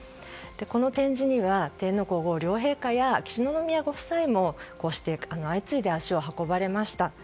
この展示には天皇・皇后両陛下や秋篠宮ご夫妻も相次いで足を運ばれました。